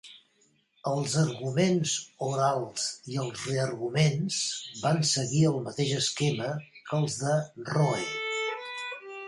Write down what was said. Els arguments orals i els re-arguments van seguir el mateix esquema que els de "Roe".